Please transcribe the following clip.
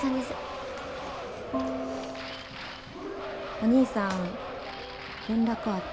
お兄さん連絡あった？